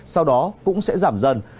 sau đó cũng sẽ giảm dần